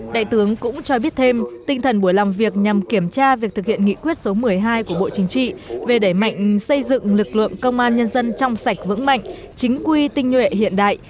đại tướng cũng cho biết thêm tinh thần buổi làm việc nhằm kiểm tra việc thực hiện nghị quyết số một mươi hai của bộ chính trị về đẩy mạnh xây dựng lực lượng công an nhân dân trong sạch vững mạnh chính quy tinh nhuệ hiện đại